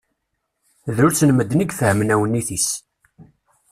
Drus n medden i ifehmen awennit-is.